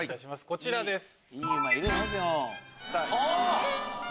こちらです。